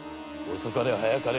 遅かれ早かれ